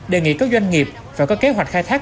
đề nghị các doanh nghiệp phải có kế hoạch khai thác